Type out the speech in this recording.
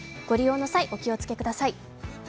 ご利用の際、お気をつけください。